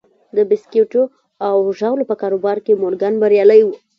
د بیسکويټو او ژاولو په کاروبار کې مورګان بریالی و